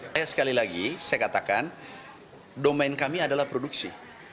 saya sekali lagi saya katakan domain kami adalah produksi